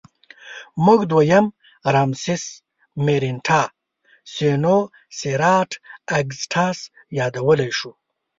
موږ دویم رامسس مېرنټاه سینوسېراټ اګسټاس یادولی شو.